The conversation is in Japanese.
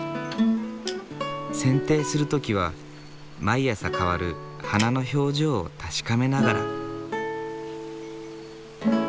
せんていする時は毎朝変わる花の表情を確かめながら。